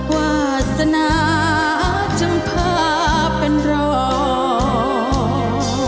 วาสนาจึงพาเป็นรอ